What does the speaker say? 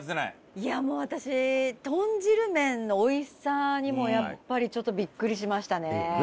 いやもう私豚汁麺のおいしさにもうやっぱりちょっとビックリしましたね。